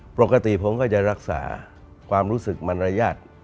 ปกติผมก็จะรักษาความรู้สึกมันรยาท